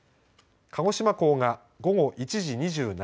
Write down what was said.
鹿児島港が午後１時２７分